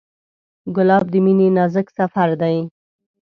ګلاب د مینې نازک سفر دی.